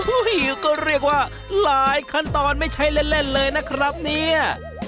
ก็เรียกว่าหลายขั้นตอนไม่ใช่เล่นเลยนะครับเนี่ย